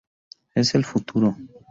Es el futuro.